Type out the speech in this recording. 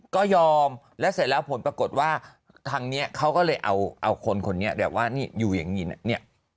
ก็ยอมแล้วเสร็จแล้วผลปรากฎว่าทางนี้เขาก็เลยเอาคนเนี่ยอยู่อย่างนี้